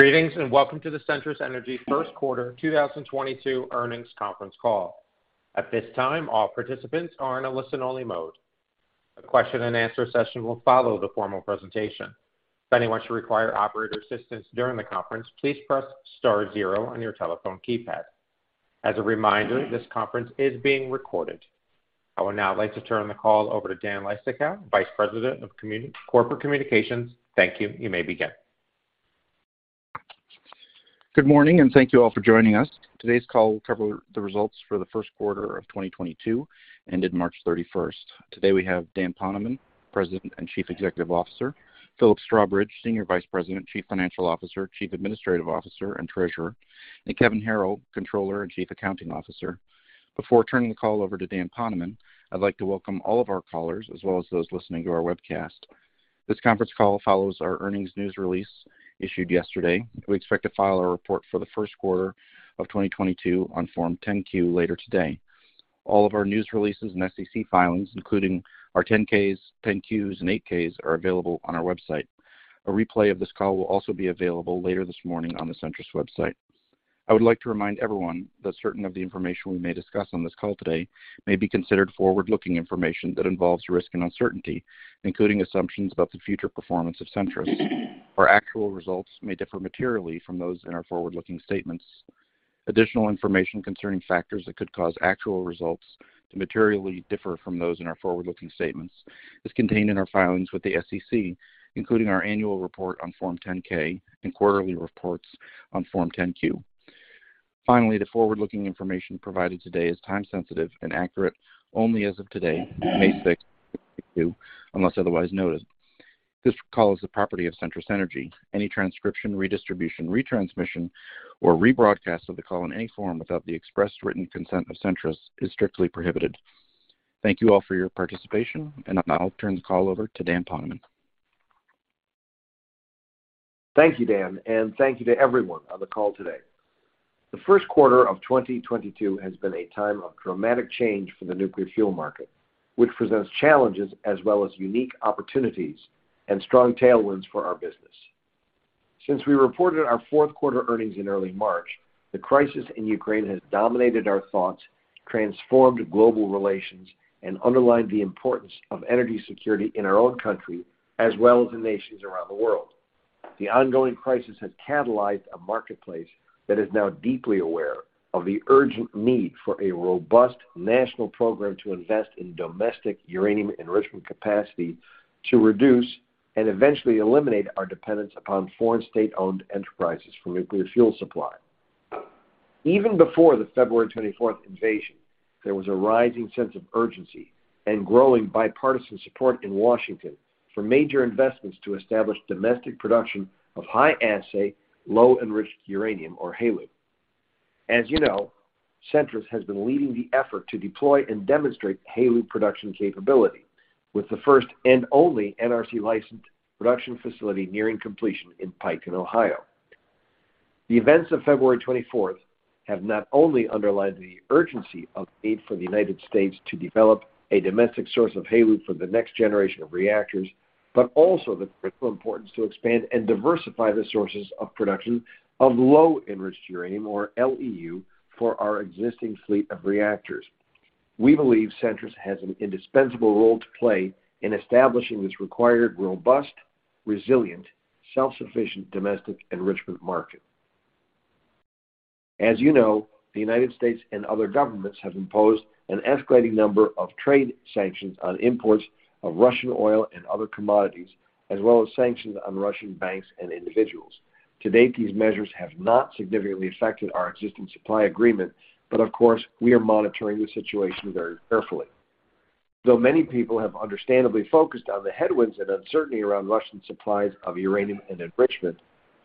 Greetings, and welcome to the Centrus Energy first quarter 2022 earnings conference call. At this time, all participants are in a listen-only mode. A Q&A session will follow the formal presentation. If anyone should require operator assistance during the conference, please press star zero on your telephone keypad. As a reminder, this conference is being recorded. I would now like to turn the call over to Dan Leistikow, Vice President, Corporate Communications. Thank you. You may begin. Good morning, and thank you all for joining us. Today's call will cover the results for the first quarter of 2022, ended March 31st. Today we have Dan Poneman, President and Chief Executive Officer, Philip Strawbridge, Senior Vice President, Chief Financial Officer, Chief Administrative Officer, and Treasurer, and Kevin Harrill, Controller and Chief Accounting Officer. Before turning the call over to Dan Poneman, I'd like to welcome all of our callers, as well as those listening to our webcast. This conference call follows our earnings news release issued yesterday. We expect to file a report for the first quarter of 2022 on Form 10-Q later today. All of our news releases and SEC filings, including our 10-Ks, 10-Qs, and 8-Ks, are available on our website. A replay of this call will also be available later this morning on the Centrus website. I would like to remind everyone that certain of the information we may discuss on this call today may be considered forward-looking information that involves risk and uncertainty, including assumptions about the future performance of Centrus. Our actual results may differ materially from those in our forward-looking statements. Additional information concerning factors that could cause actual results to materially differ from those in our forward-looking statements is contained in our filings with the SEC, including our annual report on Form 10-K and quarterly reports on Form 10-Q. Finally, the forward-looking information provided today is time sensitive and accurate only as of today, May 6th unless otherwise noted. This call is the property of Centrus Energy. Any transcription, redistribution, retransmission, or rebroadcast of the call in any form without the express written consent of Centrus is strictly prohibited. Thank you all for your participation, and I'll turn the call over to Dan Poneman. Thank you, Dan, and thank you to everyone on the call today. The first quarter of 2022 has been a time of dramatic change for the nuclear fuel market, which presents challenges as well as unique opportunities and strong tailwinds for our business. Since we reported our fourth quarter earnings in early March, the crisis in Ukraine has dominated our thoughts, transformed global relations, and underlined the importance of energy security in our own country, as well as in nations around the world. The ongoing crisis has catalyzed a marketplace that is now deeply aware of the urgent need for a robust national program to invest in domestic uranium enrichment capacity to reduce and eventually eliminate our dependence upon foreign state-owned enterprises for nuclear fuel supply. Even before the February 24th invasion, there was a rising sense of urgency and growing bipartisan support in Washington for major investments to establish domestic production of High-Assay, Low-Enriched Uranium or HALEU. As you know, Centrus has been leading the effort to deploy and demonstrate HALEU production capability with the first and only NRC licensed production facility nearing completion in Piketon, Ohio. The events of February 24th have not only underlined the urgency of need for the United States to develop a domestic source of HALEU for the next generation of reactors, but also the critical importance to expand and diversify the sources of production of low-enriched uranium or LEU for our existing fleet of reactors. We believe Centrus has an indispensable role to play in establishing this required robust, resilient, self-sufficient domestic enrichment market. As you know, the United States and other governments have imposed an escalating number of trade sanctions on imports of Russian oil and other commodities, as well as sanctions on Russian banks and individuals. To date, these measures have not significantly affected our existing supply agreement, but of course, we are monitoring the situation very carefully. Though many people have understandably focused on the headwinds and uncertainty around Russian supplies of uranium and enrichment,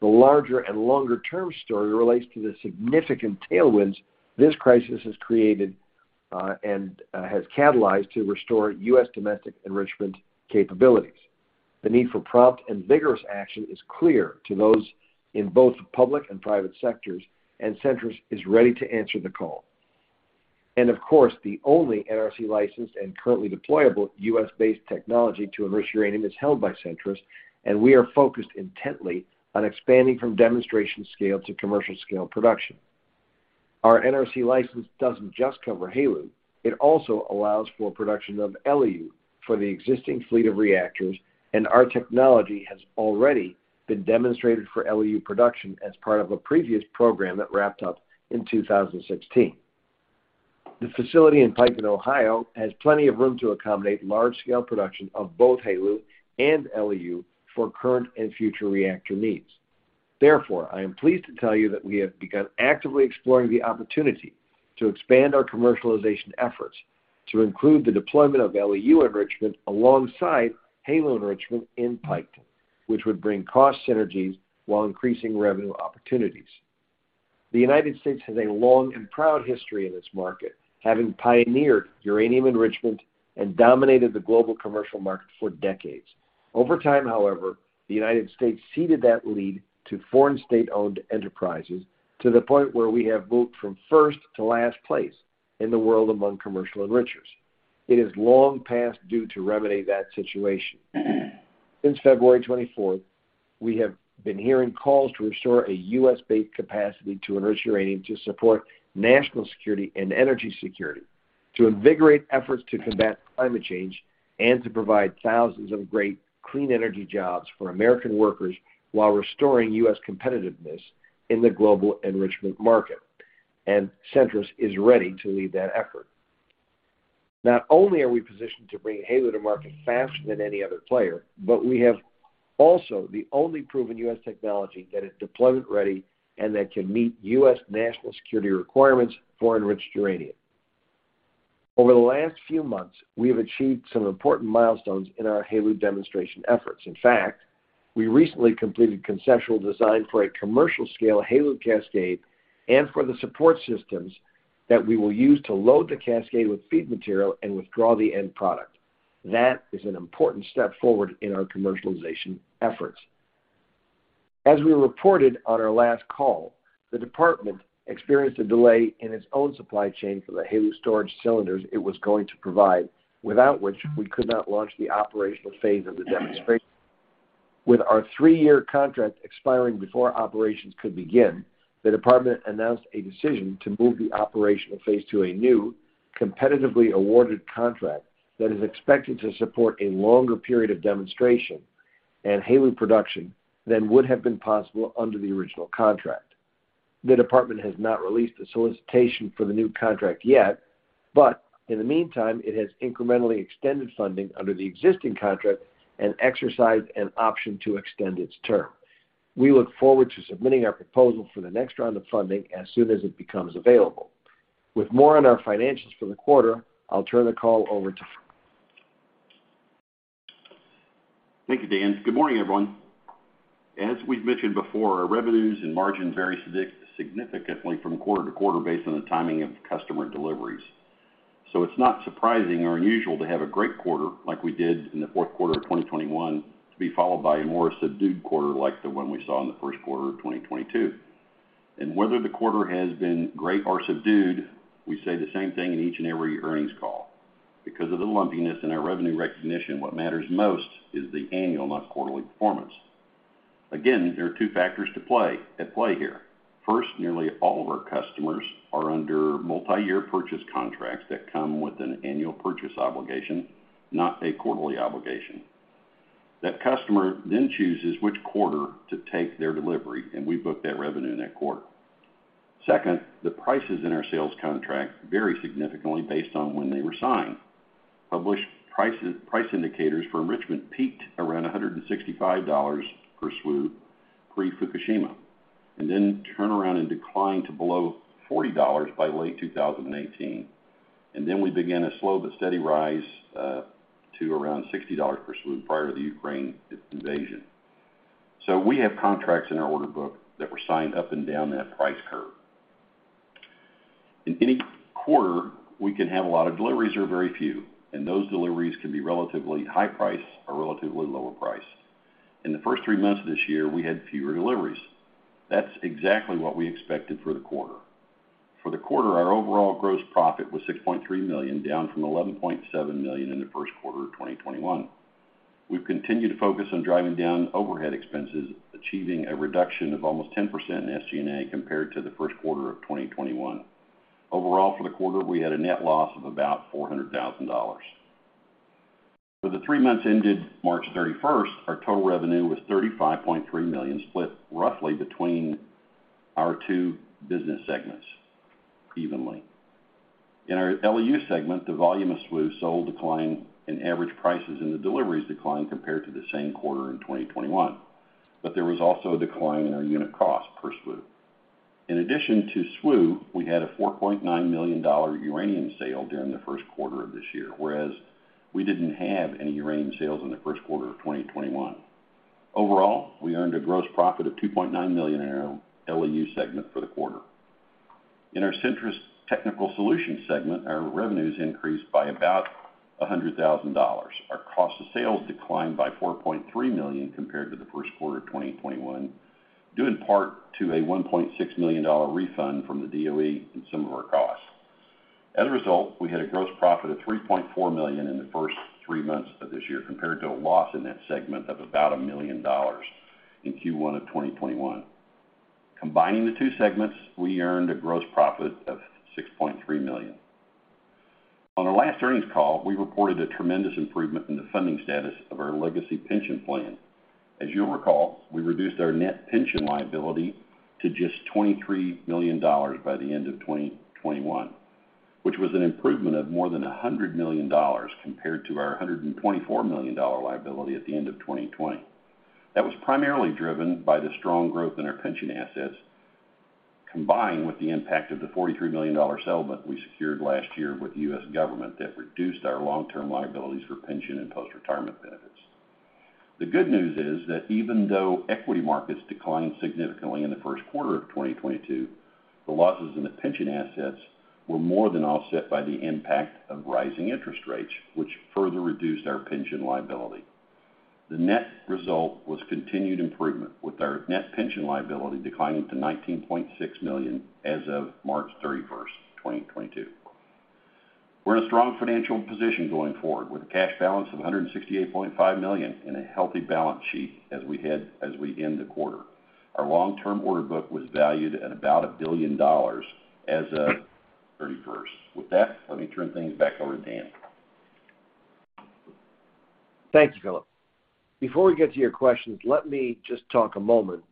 the larger and longer-term story relates to the significant tailwinds this crisis has created, and has catalyzed to restore U.S. domestic enrichment capabilities. The need for prompt and vigorous action is clear to those in both public and private sectors, and Centrus is ready to answer the call. Of course, the only NRC licensed and currently deployable U.S.-based technology to enrich uranium is held by Centrus, and we are focused intently on expanding from demonstration scale to commercial scale production. Our NRC license doesn't just cover HALEU, it also allows for production of LEU for the existing fleet of reactors, and our technology has already been demonstrated for LEU production as part of a previous program that wrapped up in 2016. The facility in Piketon, Ohio, has plenty of room to accommodate large scale production of both HALEU and LEU for current and future reactor needs. Therefore, I am pleased to tell you that we have begun actively exploring the opportunity to expand our commercialization efforts to include the deployment of LEU enrichment alongside HALEU enrichment in Piketon, which would bring cost synergies while increasing revenue opportunities. The United States has a long and proud history in this market, having pioneered uranium enrichment and dominated the global commercial market for decades. Over time, however, the United States ceded that lead to foreign state-owned enterprises to the point where we have moved from first to last place in the world among commercial enrichers. It is long past due to remedy that situation. Since February 24th, we have been hearing calls to restore a U.S.-based capacity to enrich uranium to support national security and energy security, to invigorate efforts to combat climate change, and to provide thousands of great clean energy jobs for American workers while restoring U.S. competitiveness in the global enrichment market, and Centrus is ready to lead that effort. Not only are we positioned to bring HALEU to market faster than any other player, but we have also the only proven U.S. technology that is deployment ready and that can meet U.S. national security requirements for enriched uranium. Over the last few months, we have achieved some important milestones in our HALEU demonstration efforts. In fact, we recently completed conceptual design for a commercial scale HALEU cascade and for the support systems that we will use to load the cascade with feed material and withdraw the end product. That is an important step forward in our commercialization efforts. As we reported on our last call, the department experienced a delay in its own supply chain for the HALEU storage cylinders it was going to provide, without which we could not launch the operational phase of the demonstration. With our three-year contract expiring before operations could begin, the department announced a decision to move the operational phase to a new competitively awarded contract that is expected to support a longer period of demonstration and HALEU production than would have been possible under the original contract. The department has not released a solicitation for the new contract yet, but in the meantime, it has incrementally extended funding under the existing contract and exercised an option to extend its term. We look forward to submitting our proposal for the next round of funding as soon as it becomes available. With more on our financials for the quarter, I'll turn the call over to Philip. Thank you, Dan. Good morning, everyone. As we've mentioned before, our revenues and margin varies significantly from quarter-to-quarter based on the timing of customer deliveries. It's not surprising or unusual to have a great quarter like we did in the fourth quarter of 2021 to be followed by a more subdued quarter like the one we saw in the first quarter of 2022. Whether the quarter has been great or subdued, we say the same thing in each and every earnings call. Because of the lumpiness in our revenue recognition, what matters most is the annual, not quarterly performance. Again, there are two factors at play here. First, nearly all of our customers are under multiyear purchase contracts that come with an annual purchase obligation, not a quarterly obligation. That customer then chooses which quarter to take their delivery, and we book that revenue in that quarter. Second, the prices in our sales contract vary significantly based on when they were signed. Published prices, price indicators for enrichment peaked around $165 per SWU pre-Fukushima, and then turned around and declined to below $40 by late 2018. We began a slow but steady rise to around $60 per SWU prior to the Ukraine invasion. We have contracts in our order book that were signed up and down that price curve. In any quarter, we can have a lot of deliveries or very few, and those deliveries can be relatively high price or relatively lower price. In the first three months of this year, we had fewer deliveries. That's exactly what we expected for the quarter. For the quarter, our overall gross profit was $6.3 million, down from $11.7 million in the first quarter of 2021. We've continued to focus on driving down overhead expenses, achieving a reduction of almost 10% in SG&A compared to the first quarter of 2021. Overall, for the quarter, we had a net loss of about $400,000. For the three months ended March 31st, our total revenue was $35.3 million, split roughly between our two business segments evenly. In our LEU segment, the volume of SWU sold declined, and average prices in the deliveries declined compared to the same quarter in 2021, but there was also a decline in our unit cost per SWU. In addition to SWU, we had a $4.9 million uranium sale during the first quarter of this year, whereas we didn't have any uranium sales in the first quarter of 2021. Overall, we earned a gross profit of $2.9 million in our LEU segment for the quarter. In our Centrus Technical Solutions segment, our revenues increased by about $100,000. Our cost of sales declined by $4.3 million compared to the first quarter of 2021, due in part to a $1.6 million refund from the DOE in some of our costs. As a result, we had a gross profit of $3.4 million in the first three months of this year compared to a loss in that segment of about $1 million in Q1 of 2021. Combining the two segments, we earned a gross profit of $6.3 million. On our last earnings call, we reported a tremendous improvement in the funding status of our legacy pension plan. As you'll recall, we reduced our net pension liability to just $23 million by the end of 2021, which was an improvement of more than $100 million compared to our $124 million liability at the end of 2020. That was primarily driven by the strong growth in our pension assets, combined with the impact of the $43 million settlement we secured last year with the U.S. government that reduced our long-term liabilities for pension and postretirement benefits. The good news is that even though equity markets declined significantly in the first quarter of 2022, the losses in the pension assets were more than offset by the impact of rising interest rates, which further reduced our pension liability. The net result was continued improvement with our net pension liability declining to $19.6 million as of March 31st, 2022. We're in a strong financial position going forward with a cash balance of $168.5 million and a healthy balance sheet as we end the quarter. Our long-term order book was valued at about $1 billion as of 31st. With that, let me turn things back over to Dan. Thank you, Philip. Before we get to your questions, let me just talk a moment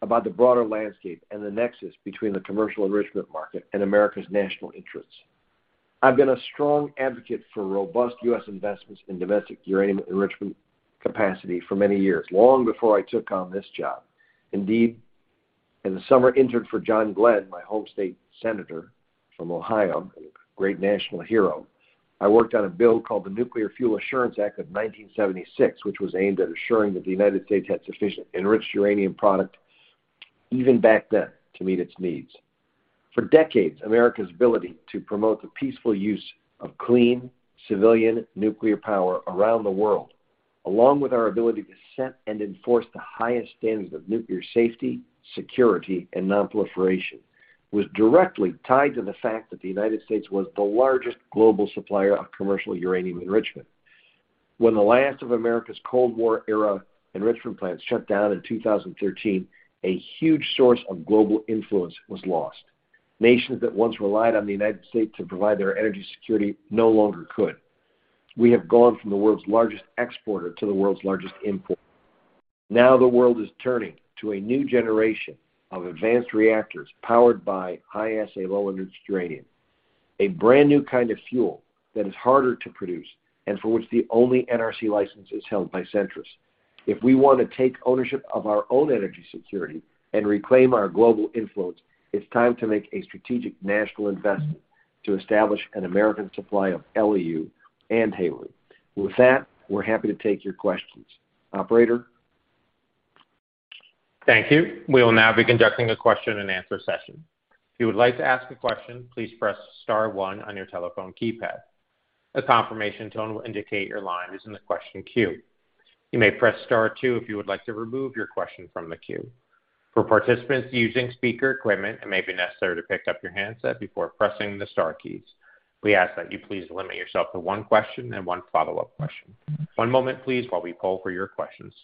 about the broader landscape and the nexus between the commercial enrichment market and America's national interests. I've been a strong advocate for robust U.S. investments in domestic uranium enrichment capacity for many years, long before I took on this job. Indeed, as a summer intern for John Glenn, my home state senator from Ohio, a great national hero, I worked on a bill called the Nuclear Fuel Assurance Act of 1976, which was aimed at assuring that the United States had sufficient enriched uranium product even back then to meet its needs. For decades, America's ability to promote the peaceful use of clean, civilian nuclear power around the world, along with our ability to set and enforce the highest standards of nuclear safety, security, and non-proliferation, was directly tied to the fact that the United States was the largest global supplier of commercial uranium enrichment. When the last of America's Cold War era enrichment plants shut down in 2013, a huge source of global influence was lost. Nations that once relied on the United States to provide their energy security no longer could. We have gone from the world's largest exporter to the world's largest importer. Now the world is turning to a new generation of advanced reactors powered by High-Assay, Low-Enriched Uranium, a brand-new kind of fuel that is harder to produce and for which the only NRC license is held by Centrus. If we wanna take ownership of our own energy security and reclaim our global influence, it's time to make a strategic national investment to establish an American supply of LEU and HALEU. With that, we're happy to take your questions. Operator? Thank you. We will now be conducting a Q&A session. If you would like to ask a question, please press star one on your telephone keypad. A confirmation tone will indicate your line is in the question queue. You may press star two if you would like to remove your question from the queue. For participants using speaker equipment, it may be necessary to pick up your handset before pressing the star keys. We ask that you please limit yourself to one question and one follow-up question. One moment, please, while we poll for your questions.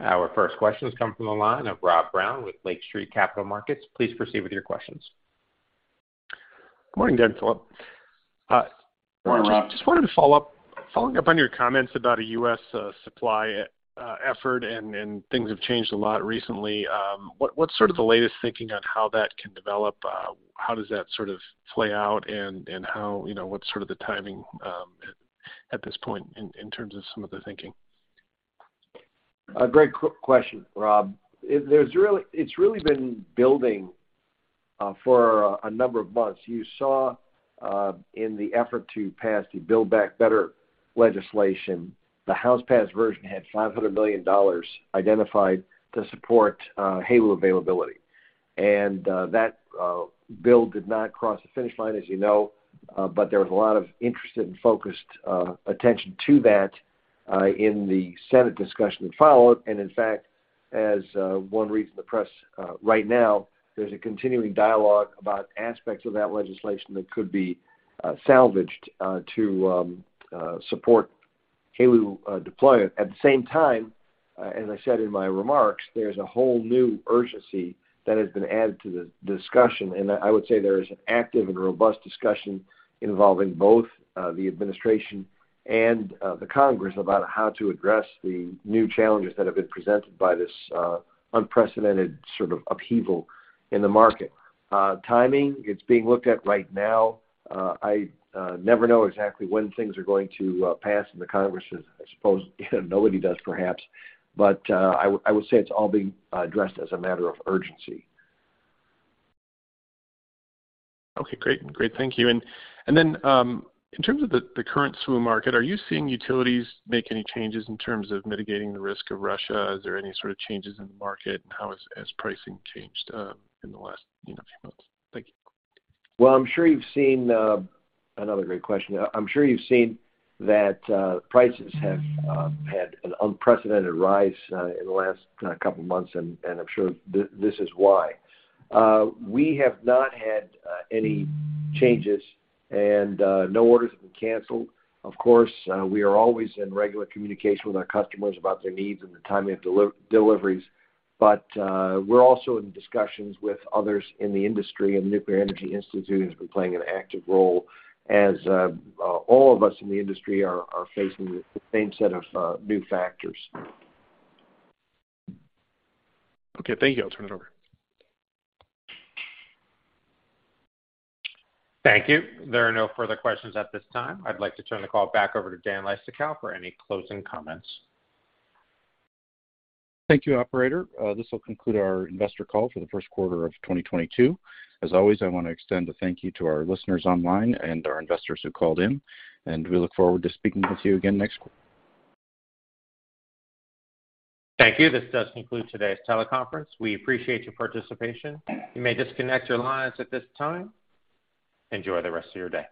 Our first question has come from the line of Rob Brown with Lake Street Capital Markets. Please proceed with your questions. Morning, Dan and Philip. Morning, Rob. Just wanted to follow up on your comments about a U.S. supply effort and things have changed a lot recently. What's sort of the latest thinking on how that can develop? How does that sort of play out and how, you know, what's sort of the timing at this point in terms of some of the thinking? A great question, Rob. It's really been building for a number of months. You saw in the effort to pass the Build Back Better legislation, the House-passed version had $500 million identified to support HALEU availability. That bill did not cross the finish line, as you know, but there was a lot of interest and focused attention to that in the Senate discussion that followed. In fact, as one reads in the press right now, there's a continuing dialogue about aspects of that legislation that could be salvaged to support HALEU deployment. At the same time, as I said in my remarks, there's a whole new urgency that has been added to the discussion. I would say there is an active and robust discussion involving both the administration and the Congress about how to address the new challenges that have been presented by this unprecedented sort of upheaval in the market. Timing, it's being looked at right now. I never know exactly when things are going to pass in the Congress. I suppose nobody does perhaps. I would say it's all being addressed as a matter of urgency. Okay, great. Great, thank you. Then, in terms of the current SWU market, are you seeing utilities make any changes in terms of mitigating the risk of Russia? Is there any sort of changes in the market? How has pricing changed in the last, you know, few months? Thank you. Well, I'm sure you've seen another great question. I'm sure you've seen that prices have had an unprecedented rise in the last couple of months, and I'm sure this is why. We have not had any changes and no orders have been canceled. Of course, we are always in regular communication with our customers about their needs and the timing of deliveries. We're also in discussions with others in the industry, and Nuclear Energy Institute has been playing an active role as all of us in the industry are facing the same set of new factors. Okay, thank you. I'll turn it over. Thank you. There are no further questions at this time. I'd like to turn the call back over to Dan Leistikow for any closing comments. Thank you, operator. This will conclude our investor call for the first quarter of 2022. As always, I wanna extend a thank you to our listeners online and our investors who called in, and we look forward to speaking with you again next quarter. Thank you. This does conclude today's teleconference. We appreciate your participation. You may disconnect your lines at this time. Enjoy the rest of your day.